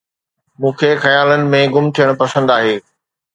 مون کي خيالن ۾ گم ٿيڻ پسند آهي